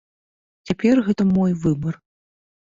Цяпер гэта мой выбар.